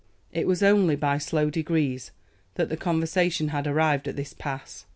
It was only by slow degrees that the conversation had arrived at this pass.